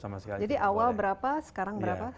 sama sekali jadi awal berapa sekarang berapa